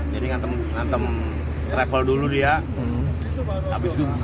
jadi ngantem travel dulu dia